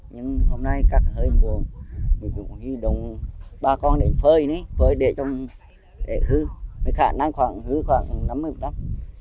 nhưng hôm nay cắt hơi mùa bà con để phơi để hư khả năng hư khoảng năm mươi đắp